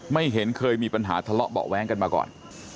ไม่เห็นเคยมีปัญหาทะเลาะเบาะแว้งกันมาก่อน